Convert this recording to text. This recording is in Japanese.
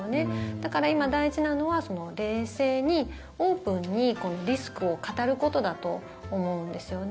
だから今、大事なのは冷静に、オープンにリスクを語ることだと思うんですよね。